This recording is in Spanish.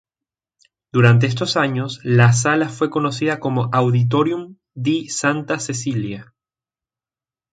Durante estos años, la sala fue conocida como Auditorium di Santa Cecilia.